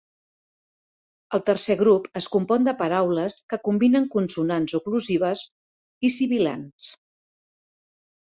El tercer grup es compon de paraules que combinen consonants oclusives i sibil·lants.